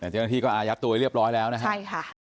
เดือนที่ก็อายับตัวเรียบร้อยแล้วนะคะ